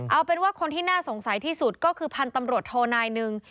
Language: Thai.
เอาเป็นว่าคนที่น่าสงสัยที่สุดก็คือพันธุ์ตำรวจโทนายหนึ่ง